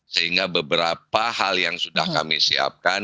sehingga beberapa hal yang sudah kami siapkan